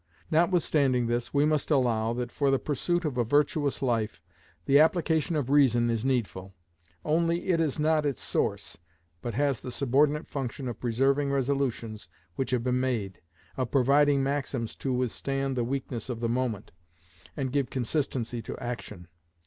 Notwithstanding this, we must allow, that for the pursuit of a virtuous life, the application of reason is needful; only it is not its source, but has the subordinate function of preserving resolutions which have been made, of providing maxims to withstand the weakness of the moment, and give consistency to action.